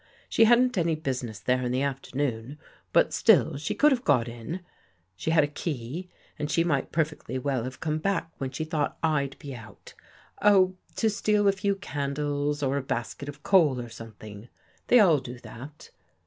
She hadn't any business there in the afternoon, but still she could have got in. She had a key and she might perfectly well have come back when she thought I'd be out — oh, to steal a few candles, or 33 THE GHOST GIRL a basket of coal or something. They all do that.